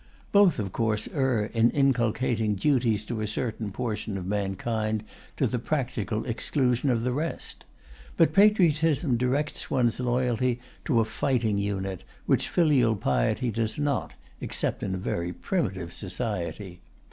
Both, of course, err in inculcating duties to a certain portion of mankind to the practical exclusion of the rest. But patriotism directs one's loyalty to a fighting unit, which filial piety does not (except in a very primitive society).